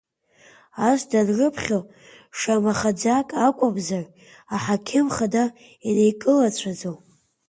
Ас данрыԥхьо, шамахаӡак акәымзар, аҳақьым хада иникылацәаӡом.